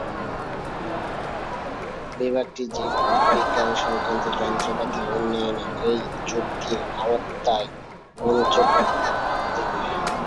বিভাগটি জীববিজ্ঞান সংক্রান্ত যন্ত্রপাতির উন্নয়নে এই চুক্তির আওতায় মনোযোগ দিবে।